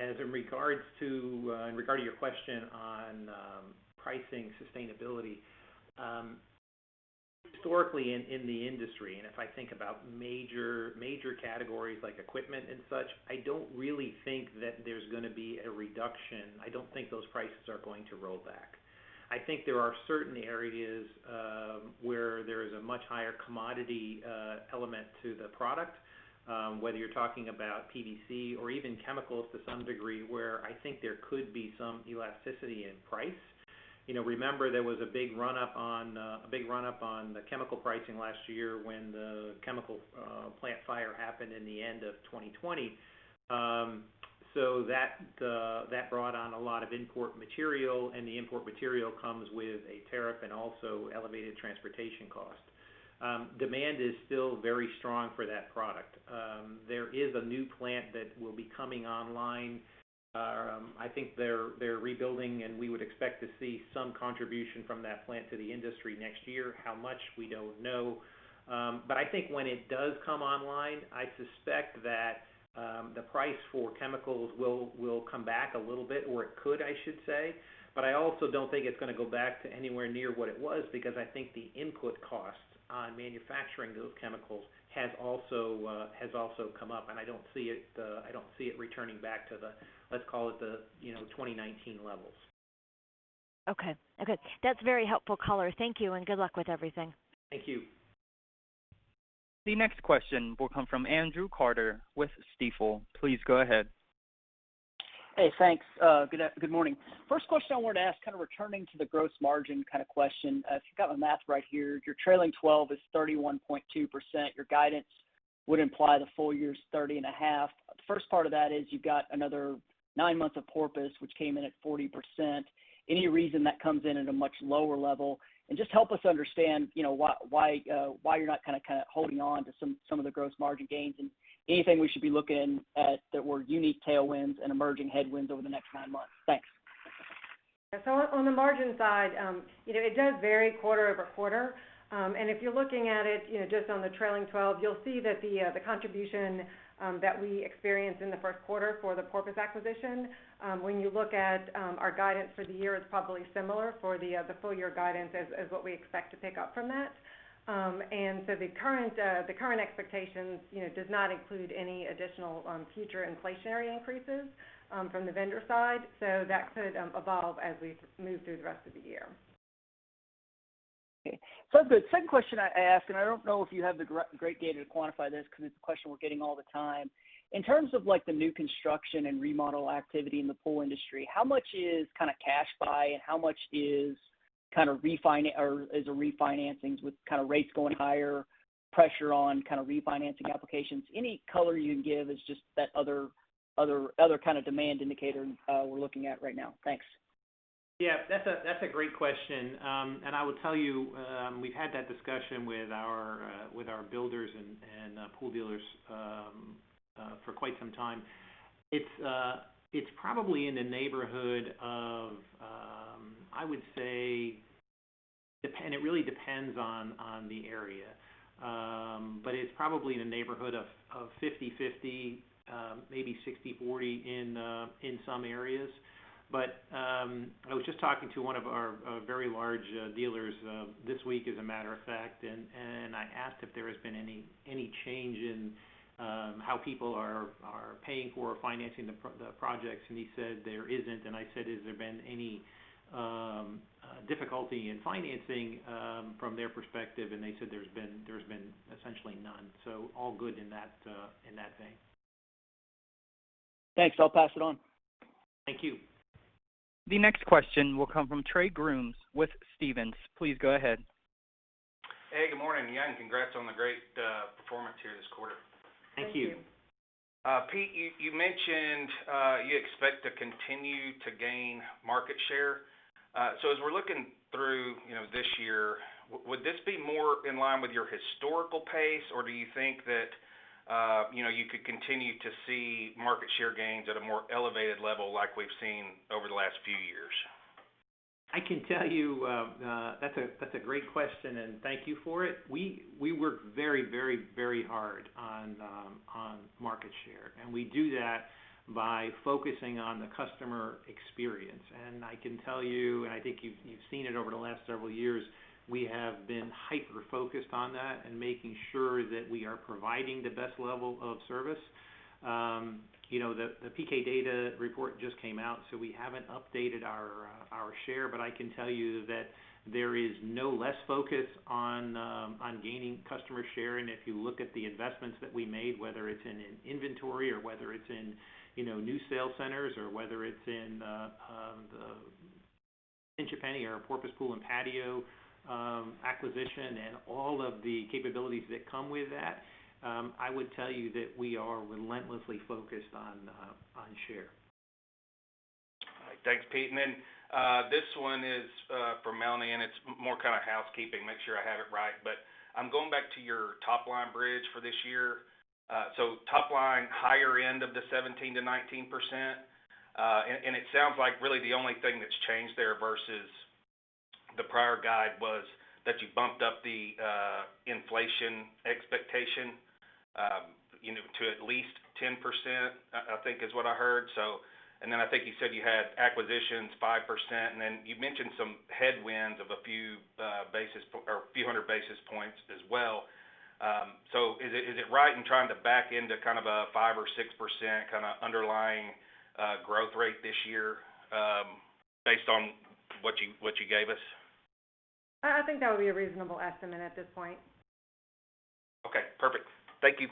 As in regard to your question on pricing sustainability, historically in the industry, and if I think about major categories like equipment and such, I don't really think that there's gonna be a reduction. I don't think those prices are going to roll back. I think there are certain areas where there is a much higher commodity element to the product, whether you're talking about PVC or even chemicals to some degree, where I think there could be some elasticity in price. You know, remember there was a big run-up on the chemical pricing last year when the chemical plant fire happened in the end of 2020. That brought on a lot of import material, and the import material comes with a tariff and also elevated transportation cost. Demand is still very strong for that product. There is a new plant that will be coming online. I think they're rebuilding, and we would expect to see some contribution from that plant to the industry next year. How much? We don't know. I think when it does come online, I suspect that the price for chemicals will come back a little bit, or it could, I should say. I also don't think it's gonna go back to anywhere near what it was because I think the input cost on manufacturing those chemicals has also come up, and I don't see it returning back to the, let's call it the, you know, 2019 levels. Okay. That's very helpful color. Thank you, and good luck with everything. Thank you. The next question will come from Andrew Carter with Stifel. Please go ahead. Good morning. First question I wanted to ask, kind of returning to the gross margin kind of question. If I've got my math right here, your trailing twelve is 31.2%. Your guidance would imply the full year's 30.5%. First part of that is you've got another nine months of Porpoise, which came in at 40%. Any reason that comes in at a much lower level? Just help us understand, you know, why you're not kinda holding on to some of the gross margin gains, and anything we should be looking at that were unique tailwinds and emerging headwinds over the next nine months. Thanks. On the margin side, you know, it does vary quarter-over-quarter. If you're looking at it, you know, just on the trailing twelve, you'll see that the contribution that we experienced in the first quarter for the Porpoise acquisition, when you look at our guidance for the year, it's probably similar for the full year guidance as what we expect to pick up from that. The current expectations, you know, does not include any additional future inflationary increases from the vendor side. That could evolve as we move through the rest of the year. Okay. The second question I ask, and I don't know if you have the great data to quantify this 'cause it's a question we're getting all the time. In terms of like the new construction and remodel activity in the pool industry, how much is kinda cash buy and how much is kinda refinancings with kinda rates going higher, pressure on kinda refinancing applications? Any color you can give is just that other kind of demand indicator we're looking at right now. Thanks. Yeah. That's a great question. I will tell you, we've had that discussion with our builders and pool dealers for quite some time. It's probably in the neighborhood of, I would say. It really depends on the area. It's probably in the neighborhood of 50/50, maybe 60/40 in some areas. I was just talking to one of our very large dealers this week, as a matter of fact, and I asked if there has been any change in how people are paying for or financing the projects, and he said there isn't. I said, "Has there been any difficulty in financing from their perspective?" They said there's been essentially none. All good in that vein. Thanks. I'll pass it on. Thank you. The next question will come from Trey Grooms with Stephens. Please go ahead. Hey, good morning. Yeah, congrats on the great performance here this quarter. Thank you. Thank you. Pete, you mentioned you expect to continue to gain market share. As we're looking through, you know, this year, would this be more in line with your historical pace, or do you think that, you know, you could continue to see market share gains at a more elevated level like we've seen over the last few years? I can tell you, that's a great question, and thank you for it. We work very hard on market share, and we do that by focusing on the customer experience. I can tell you, and I think you've seen it over the last several years, we have been hyper-focused on that and making sure that we are providing the best level of service. You know, the P.K. Data report just came out, so we haven't updated our share. I can tell you that there is no less focus on gaining customer share. If you look at the investments that we made, whether it's in an inventory or whether it's in, you know, new sales centers or whether it's in the Pinch A Penny or Porpoise Pool & Patio acquisition and all of the capabilities that come with that, I would tell you that we are relentlessly focused on share. All right. Thanks, Pete. This one is for Melanie, and it's more kind of housekeeping, make sure I have it right. I'm going back to your top line bridge for this year. Top line higher end of the 17%-19%. It sounds like really the only thing that's changed there versus the prior guide was that you bumped up the inflation expectation, you know, to at least 10%, I think is what I heard. I think you said you had acquisitions 5%, and then you mentioned some headwinds of a few basis points or a few hundred basis points as well. Is it right in trying to back into kind of a 5%-6% kinda underlying growth rate this year based on what you gave us? I think that would be a reasonable estimate at this point. Okay, perfect. Thank you.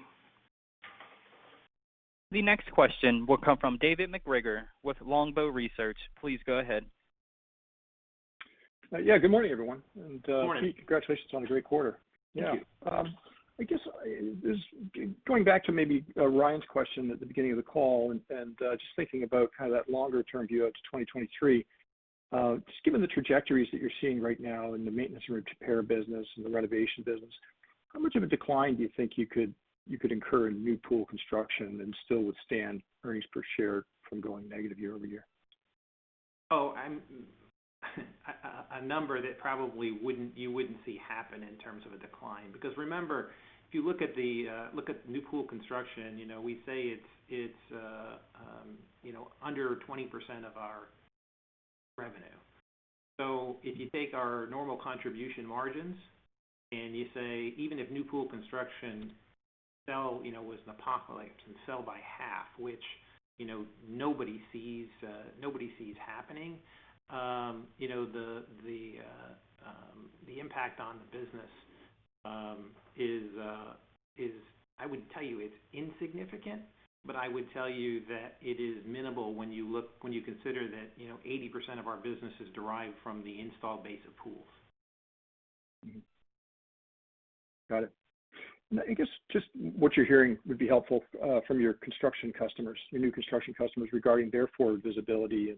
The next question will come from David MacGregor with Longbow Research. Please go ahead. Yeah, good morning, everyone. Good morning. Pete, congratulations on a great quarter. Thank you. Thanks. I guess, going back to maybe Ryan's question at the beginning of the call and just thinking about kind of that longer term view out to 2023, just given the trajectories that you're seeing right now in the maintenance and repair business and the renovation business, how much of a decline do you think you could incur in new pool construction and still withstand earnings per share from going negative year-over-year? A number that probably you wouldn't see happen in terms of a decline. Because remember, if you look at new pool construction, you know, we say it's under 20% of our revenue. So if you take our normal contribution margins and you say even if new pool construction was an apocalypse and fell by half, which, you know, nobody sees happening. The impact on the business is, I wouldn't tell you it's insignificant, but I would tell you that it is minimal when you consider that, you know, 80% of our business is derived from the installed base of pools. Got it. I guess just what you're hearing would be helpful from your construction customers, your new construction customers regarding their forward visibility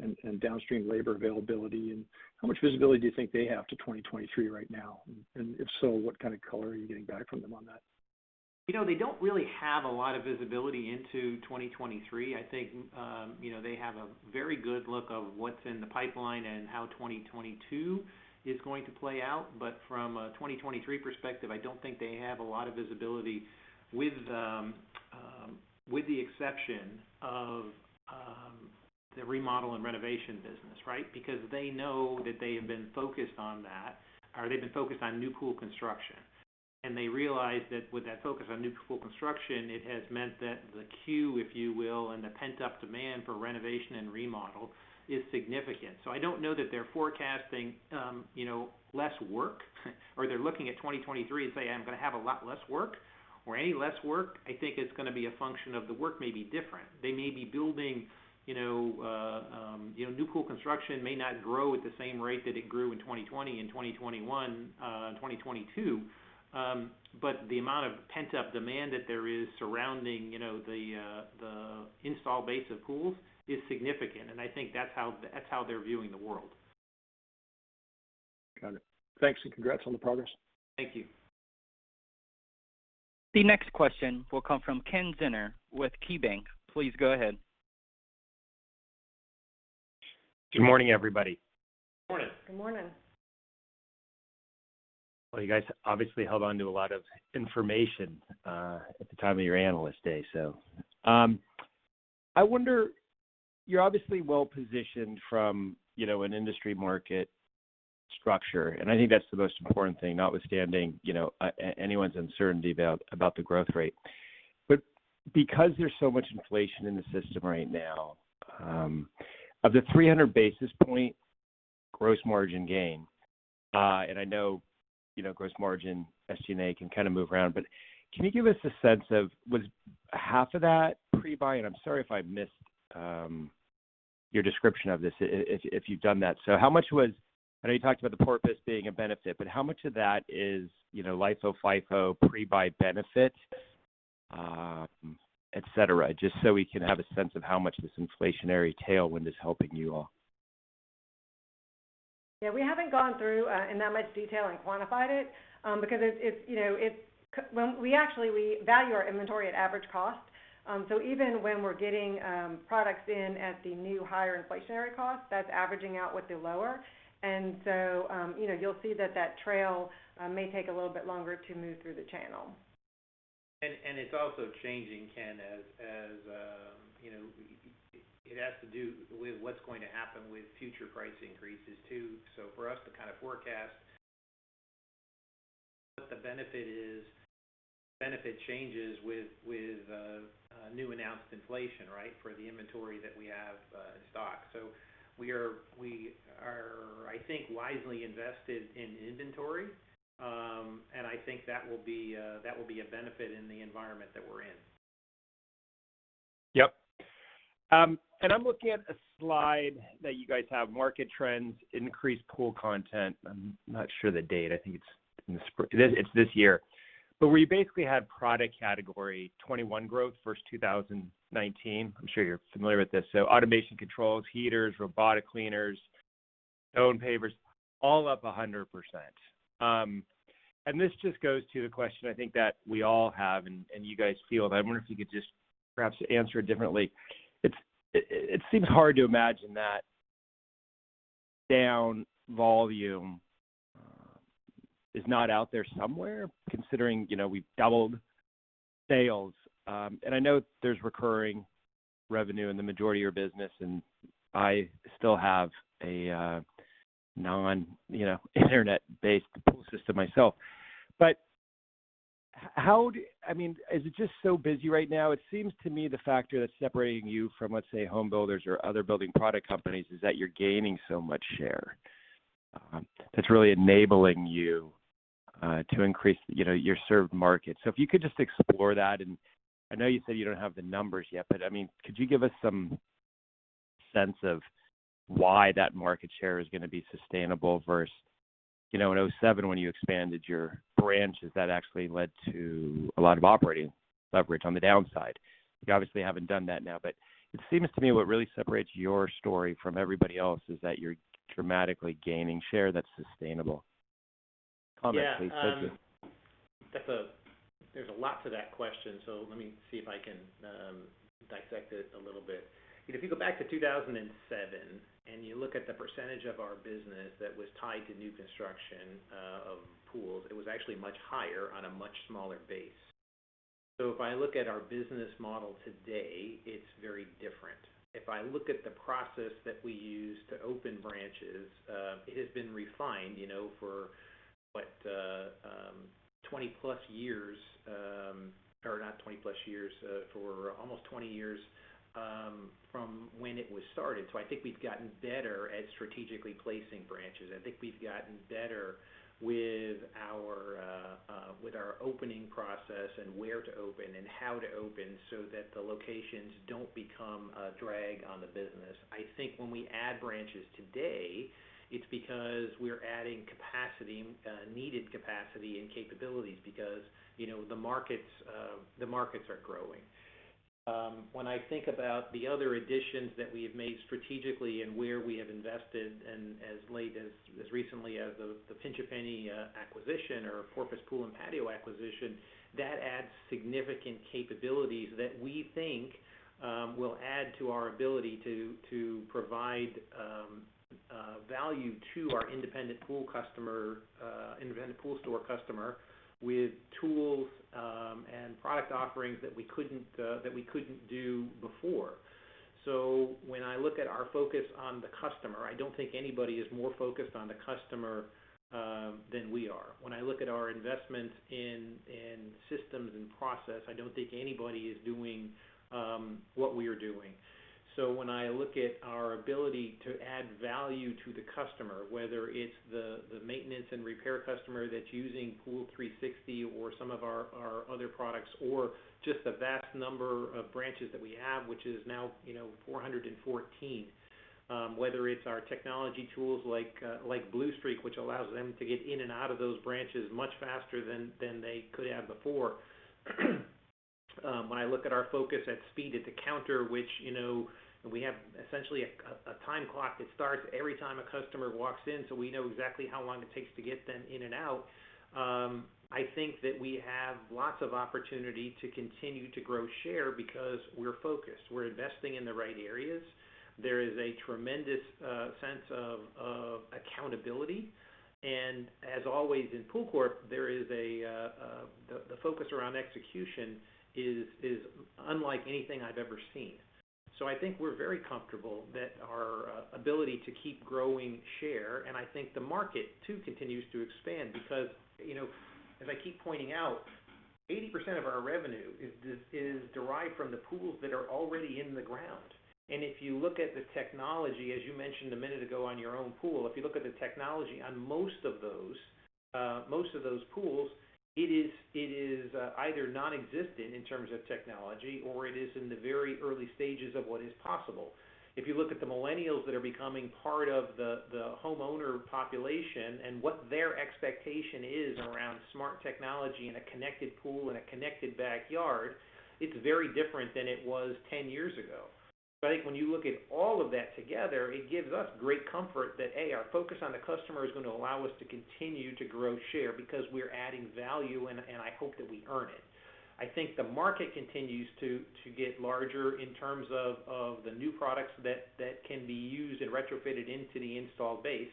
and downstream labor availability. How much visibility do you think they have to 2023 right now? If so, what kind of color are you getting back from them on that? You know, they don't really have a lot of visibility into 2023. I think, you know, they have a very good look of what's in the pipeline and how 2022 is going to play out. But from a 2023 perspective, I don't think they have a lot of visibility with the exception of the remodel and renovation business, right? Because they know that they have been focused on that, or they've been focused on new pool construction. They realize that with that focus on new pool construction, it has meant that the queue, if you will, and the pent-up demand for renovation and remodel is significant. I don't know that they're forecasting, you know, less work, or they're looking at 2023 and say, "I'm gonna have a lot less work or any less work." I think it's gonna be a function of the work may be different. They may be building, you know, new pool construction may not grow at the same rate that it grew in 2020 and 2021, 2022. The amount of pent-up demand that there is surrounding, you know, the the install base of pools is significant, and I think that's how they're viewing the world. Got it. Thanks, and congrats on the progress. Thank you. The next question will come from Ken Zener with KeyBanc. Please go ahead. Good morning, everybody. Morning. Good morning. Well, you guys obviously held on to a lot of information at the time of your Analyst Day. I wonder, you're obviously well-positioned from, you know, an industry market structure, and I think that's the most important thing, notwithstanding, you know, anyone's uncertainty about the growth rate. Because there's so much inflation in the system right now, of the 300 basis point gross margin gain, and I know, you know, gross margin, SG&A can kind of move around, but can you give us a sense of, was half of that pre-buy? I'm sorry if I missed your description of this if you've done that. How much was I know you talked about the Porpoise being a benefit, but how much of that is, you know, LIFO, FIFO, pre-buy benefit, et cetera? Just so we can have a sense of how much this inflationary tailwind is helping you all. Yeah, we haven't gone through in that much detail and quantified it because it's, you know, it's. Well, we actually value our inventory at average cost. Even when we're getting products in at the new higher inflationary cost, that's averaging out with the lower. You know, you'll see that tail may take a little bit longer to move through the channel. It's also changing, Ken, as you know, it has to do with what's going to happen with future price increases too. For us to kind of forecast what the benefit is, benefit changes with new announced inflation, right, for the inventory that we have in stock. We are, I think, wisely invested in inventory. I think that will be a benefit in the environment that we're in. Yep. I'm looking at a slide that you guys have, market trends, increased pool content. I'm not sure of the date. I think it is this year. Where you basically had product category 21 growth versus 2019. I'm sure you're familiar with this. Automation controls, heaters, robotic cleaners, stone pavers, all up 100%. This just goes to the question I think that we all have and you guys feel, but I wonder if you could just perhaps answer it differently. It seems hard to imagine that down volume is not out there somewhere, considering, you know, we've doubled sales. I know there's recurring revenue in the majority of your business, and I still have a non, you know, internet-based pool system myself. How. I mean, is it just so busy right now? It seems to me the factor that's separating you from, let's say, home builders or other building product companies is that you're gaining so much share, that's really enabling you to increase, you know, your served market. If you could just explore that. I know you said you don't have the numbers yet, but, I mean, could you give us some sense of why that market share is gonna be sustainable versus, you know, in 2007 when you expanded your branches, that actually led to a lot of operating leverage on the downside. You obviously haven't done that now, but it seems to me what really separates your story from everybody else is that you're dramatically gaining share that's sustainable. Comment please. Thank you. Yeah. That's a lot to that question, so let me see if I can dissect it a little bit. If you go back to 2007 and you look at the percentage of our business that was tied to new construction of pools, it was actually much higher on a much smaller base. If I look at our business model today, it's very different. If I look at the process that we use to open branches, it has been refined, you know, for almost 20 years from when it was started. I think we've gotten better at strategically placing branches. I think we've gotten better with our opening process and where to open and how to open so that the locations don't become a drag on the business. I think when we add branches today, it's because we're adding capacity needed capacity and capabilities because, you know, the markets are growing. When I think about the other additions that we have made strategically and where we have invested in as recently as the Pinch A Penny acquisition or Porpoise Pool & Patio acquisition, that adds significant capabilities that we think will add to our ability to provide value to our independent pool customer independent pool store customer with tools and product offerings that we couldn't do before. When I look at our focus on the customer, I don't think anybody is more focused on the customer than we are. When I look at our investments in systems and process, I don't think anybody is doing what we are doing. When I look at our ability to add value to the customer, whether it's the maintenance and repair customer that's using POOL360 or some of our other products, or just the vast number of branches that we have, which is now, you know, 414. Whether it's our technology tools like BlueStreak, which allows them to get in and out of those branches much faster than they could have before. When I look at our focus at speed at the counter, which, you know, we have essentially a time clock that starts every time a customer walks in, so we know exactly how long it takes to get them in and out. I think that we have lots of opportunity to continue to grow share because we're focused. We're investing in the right areas. There is a tremendous sense of accountability. As always in POOLCORP, the focus around execution is unlike anything I've ever seen. I think we're very comfortable that our ability to keep growing share, and I think the market too continues to expand because, you know, as I keep pointing out, 80% of our revenue is derived from the pools that are already in the ground. If you look at the technology, as you mentioned a minute ago, on your own pool, if you look at the technology on most of those pools, it is either nonexistent in terms of technology or it is in the very early stages of what is possible. If you look at the millennials that are becoming part of the homeowner population and what their expectation is around smart technology in a connected pool and a connected backyard, it's very different than it was 10 years ago. I think when you look at all of that together, it gives us great comfort that, hey, our focus on the customer is going to allow us to continue to grow share because we're adding value, and I hope that we earn it. I think the market continues to get larger in terms of the new products that can be used and retrofitted into the installed base.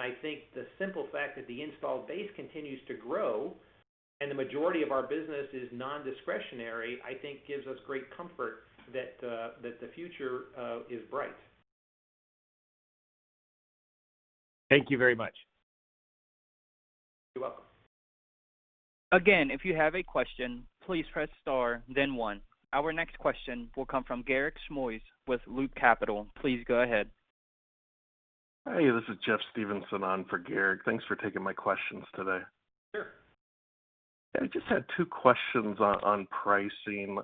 I think the simple fact that the installed base continues to grow and the majority of our business is nondiscretionary, I think gives us great comfort that the future is bright. Thank you very much. You're welcome. Again, if you have a question, please press star then one. Our next question will come from Garik Shmois with Loop Capital. Please go ahead. Hey, this is Jeffrey Stevenson on for Garik. Thanks for taking my questions today. Sure. I just had two questions on pricing.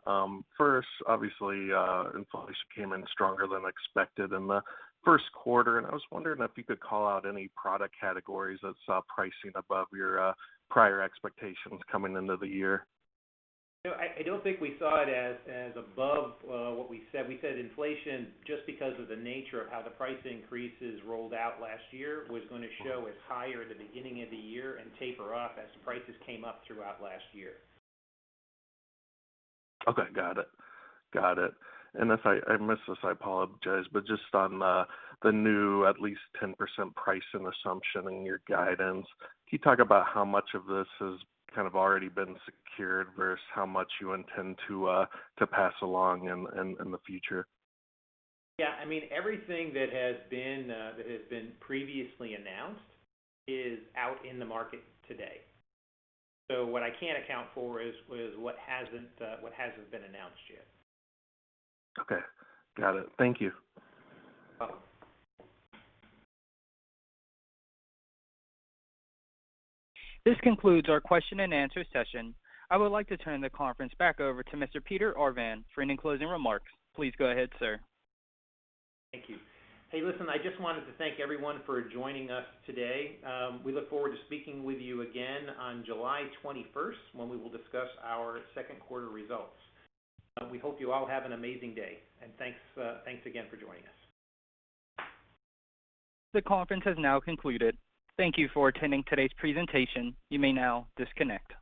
First, obviously, inflation came in stronger than expected in the first quarter. I was wondering if you could call out any product categories that saw pricing above your prior expectations coming into the year? No, I don't think we saw it as above what we said. We said inflation just because of the nature of how the price increases rolled out last year was gonna show as higher at the beginning of the year and taper off as prices came up throughout last year. Okay. Got it. If I missed this, I apologize, but just on the new at least 10% pricing assumption in your guidance, can you talk about how much of this has kind of already been secured versus how much you intend to pass along in the future? Yeah, I mean, everything that has been previously announced is out in the market today. What I can't account for is what hasn't been announced yet. Okay. Got it. Thank you. You're welcome. This concludes our question and answer session. I would like to turn the conference back over to Mr. Peter Arvan for any closing remarks. Please go ahead, sir. Thank you. Hey, listen, I just wanted to thank everyone for joining us today. We look forward to speaking with you again on July 21st when we will discuss our second quarter results. We hope you all have an amazing day, and thanks again for joining us. The conference has now concluded. Thank you for attending today's presentation. You may now disconnect.